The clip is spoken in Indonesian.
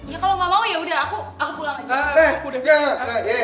ya kalo ga mau ya udah aku pulang aja